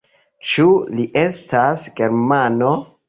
Ĉu li estas germano?